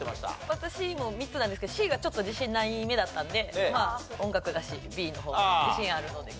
私３つなんですけどＣが自信ないめだったんで音楽だしＢの方が自信あるので。